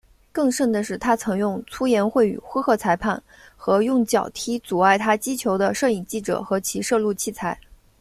更甚的是他曾用粗言秽语呼喝裁判和用脚踢阻碍他击球的摄影记者和其摄录器材。